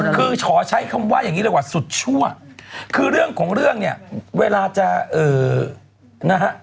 คือขอใช้คำว่าอย่างนี้เลยว่าสุดชั่วคือเรื่องของเรื่องเนี่ยเวลาจะเอ่อนะฮะ